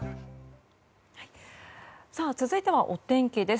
続いてはお天気です。